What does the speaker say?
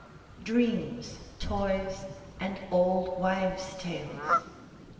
Dreams, toys, and old wives' tales.